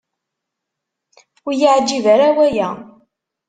Ur yi-yeɛǧib ara waya.